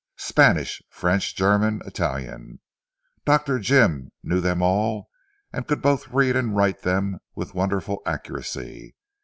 Spanish, French, German, Italian, Dr. Jim knew them all and could both read and write them with wonderful accuracy.